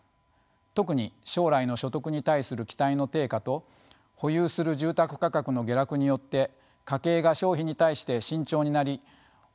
特に将来の所得に対する期待の低下と保有する住宅価格の下落によって家計が消費に対して慎重になりお金をため込んでいます。